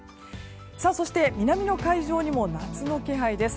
そして、南の海上にも夏の気配です。